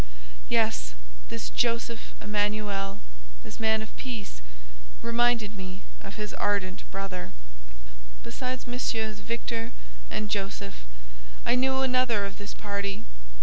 Yes—this Josef Emanuel—this man of peace—reminded me of his ardent brother. Besides Messieurs Victor and Josef, I knew another of this party.